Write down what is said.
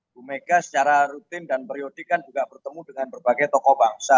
bu mega secara rutin dan periodik kan juga bertemu dengan berbagai tokoh bangsa